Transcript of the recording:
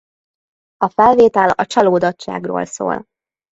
A felvétel a csalódottságról szól.